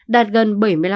đạt gần bảy mươi năm